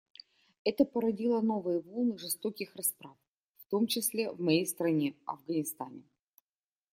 Это породило новые волны жестоких расправ, в том числе в моей стране, Афганистане.